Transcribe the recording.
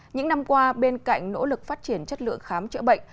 những năm qua bên cạnh nỗ lực phát triển chất lượng khám chữa bệnh